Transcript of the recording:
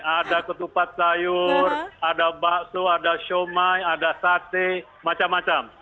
ada ketupat sayur ada bakso ada shomai ada sate macam macam